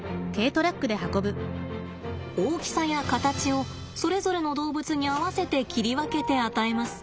大きさや形をそれぞれの動物に合わせて切り分けて与えます。